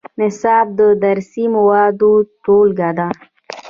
نصاب د درسي موادو ټولګه ده